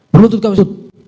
berlutut pak efes